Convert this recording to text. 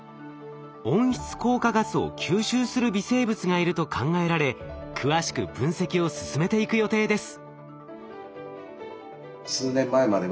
温室効果ガスを吸収する微生物がいると考えられ詳しく分析を進めていく予定です。